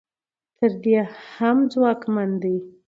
تر دې هم ځواکمن دي.